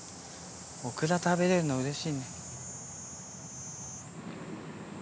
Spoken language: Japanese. オクラ食べれんのうれしいね。